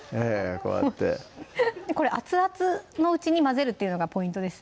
こうやってこれ熱々のうちに混ぜるっていうのがポイントです